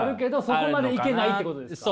そこまでいけないってことですか？